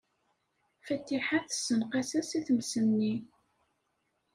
Fatiḥa tessenqes-as i tmes-nni.